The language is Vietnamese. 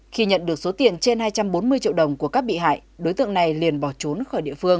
khi nhận được số tiền trên hai trăm bốn mươi triệu đồng của các bị hại đối tượng này liền bỏ trốn khỏi địa phương